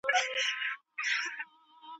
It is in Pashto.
ښځه باید د خاوند د امرونو اطاعت وکړي.